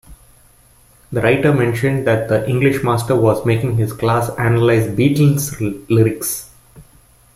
The writer mentioned that the English master was making his class analyse Beatles' lyrics.